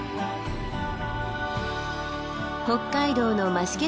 北海道の増毛